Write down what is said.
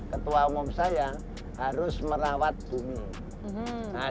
ketua umum saya harus merawat bumi